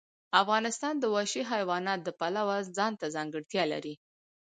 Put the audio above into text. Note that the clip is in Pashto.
افغانستان د وحشي حیوانات د پلوه ځانته ځانګړتیا لري.